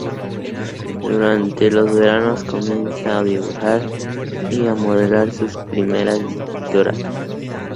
Durante los veranos comienza a dibujar y a modelar sus primeras esculturas.